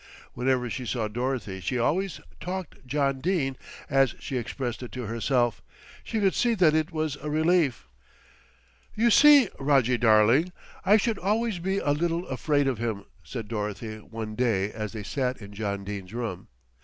Whenever she saw Dorothy she always "talked John Dene," as she expressed it to herself. She could see that it was a relief. "You see, Rojjie darling, I should always be a little afraid of him," said Dorothy one day as they sat in John Dene's room.